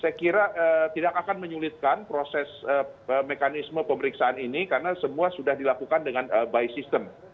saya kira tidak akan menyulitkan proses mekanisme pemeriksaan ini karena semua sudah dilakukan dengan by system